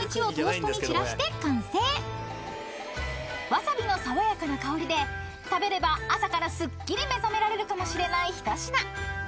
［ワサビの爽やかな香りで食べれば朝からすっきり目覚められるかもしれない一品］